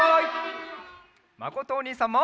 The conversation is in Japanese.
まことおにいさんも！